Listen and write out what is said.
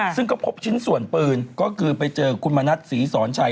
ซึ่งก็พบชิ้นส่วนปืนก็คือไปเจอคุณมณัฐศรีสอนชัย